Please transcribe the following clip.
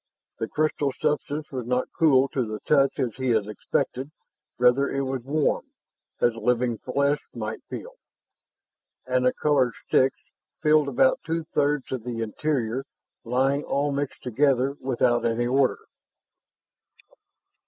The crystal substance was not cool to the touch as he had expected; rather it was warm, as living flesh might feel. And the colored sticks filled about two thirds of the interior, lying all mixed together without any order.